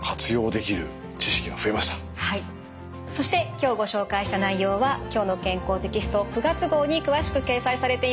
そして今日ご紹介した内容は「きょうの健康」テキスト９月号に詳しく掲載されています。